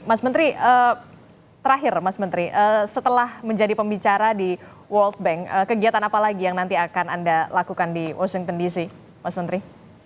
mas menteri terakhir mas menteri setelah menjadi pembicara di world bank kegiatan apa lagi yang nanti akan anda lakukan di washington dc mas menteri